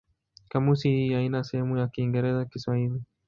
Kamusi hii haina sehemu ya Kiingereza-Kiswahili.